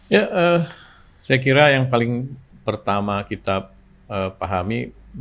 ya saya kira yang paling pertama kita pahami